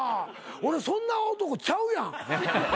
俺そんな男ちゃうやん。